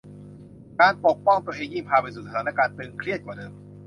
การปกป้องตัวเองยิ่งพาไปสู่สถานการณ์ตึงเครียดกว่าเดิม